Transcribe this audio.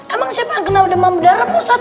emang siapa yang kena demam berdarah pusat